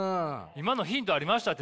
今のヒントありました？